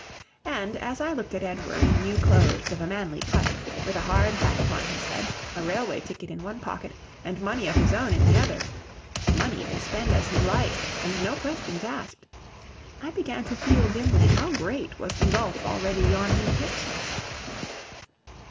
And, as I looked at Edward, in new clothes of a manly cut, with a hard hat upon his head, a railway ticket in one pocket and money of his own in the other, money to spend as he liked and no questions asked! I began to feel dimly how great was the gulf already yawning betwixt us.